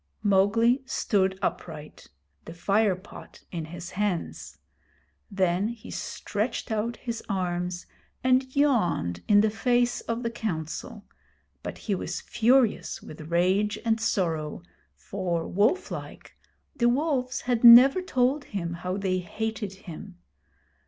Mowgli stood upright the fire pot in his hands. Then he stretched out his arms, and yawned in the face of the Council; but he was furious with rage and sorrow, for, wolf like, the wolves had never told him how they hated him.